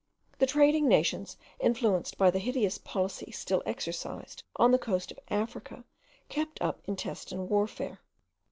The trading nations, influenced by the hideous policy still exercised on the coast of Africa, kept up intestine warfare.